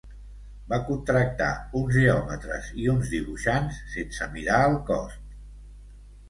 Va contractar uns geòmetres i uns dibuixants sense mirar al cost.